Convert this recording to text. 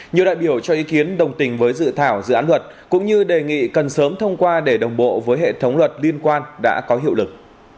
nhiều đại biểu cho ý kiến đồng tình với dự thảo dự án luật cũng như đề nghị cần sớm thông qua để đồng bộ với hệ thống luật liên quan đã có hiệu lực